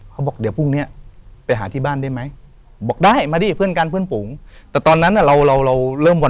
เขาบอกเดี๋ยวพรุ่งนี้ไปหาที่บ้านได้ไหม